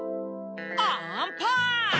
アンパンチ！